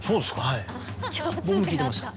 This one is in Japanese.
はい僕も聞いてました。